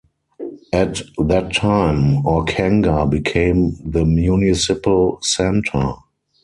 At that time Orkanger became the municipal center.